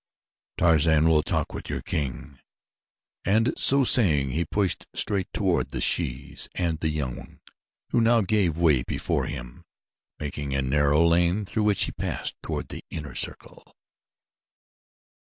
Tarzan will talk with your king," and so saying he pushed straight forward through the shes and the young who now gave way before him, making a narrow lane through which he passed toward the inner circle.